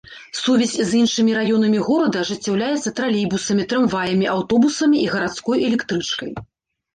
Сувязь з іншымі раёнамі горада ажыццяўляецца тралейбусамі, трамваямі, аўтобусамі і гарадской электрычкай.